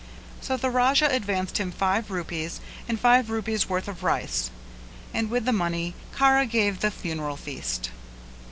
So the Raja advanced him five rupees and five rupees worth of rice, and with this money Kara gave the funeral feast.